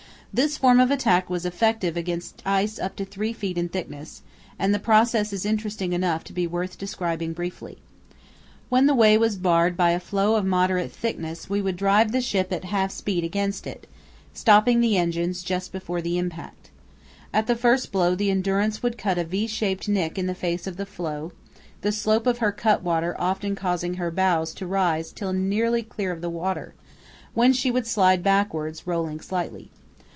This form of attack was effective against ice up to three feet in thickness, and the process is interesting enough to be worth describing briefly. When the way was barred by a floe of moderate thickness we would drive the ship at half speed against it, stopping the engines just before the impact. At the first blow the Endurance would cut a V shaped nick in the face of the floe, the slope of her cutwater often causing her bows to rise till nearly clear of the water, when she would slide backwards, rolling slightly.